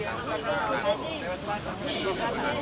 apa mau foto foto bareng